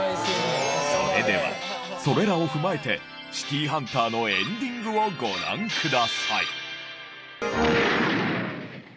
それではそれらを踏まえて『シティーハンター』のエンディングをご覧ください。